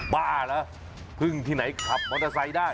บ้าเหรอพึ่งที่ไหนขับมอเตอร์ไซค์ได้